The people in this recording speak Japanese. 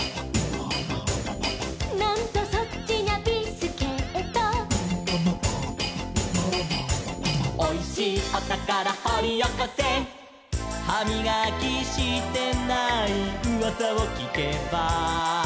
「なんとそっちにゃビスケット」「おいしいおたからほりおこせ」「はみがきしてないうわさをきけば」